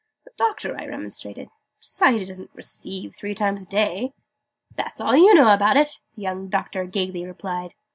"But, Doctor!" I remonstrated. "Society doesn't 'receive' three times a day!" "That's all you know about it!" the young Doctor gaily replied.